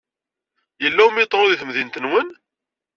Yella umiṭru di temdint-nwen?